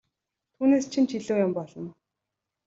Түүнээс чинь ч илүү юм болно!